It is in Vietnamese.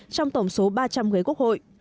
trong tổng số ba trăm linh ghế quốc hội